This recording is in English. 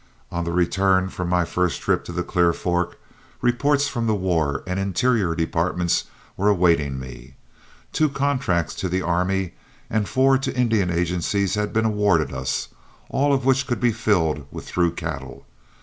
On the return from my first trip to the Clear Fork, reports from the War and Interior departments were awaiting me. Two contracts to the army and four to Indian agencies had been awarded us, all of which could be filled with through cattle.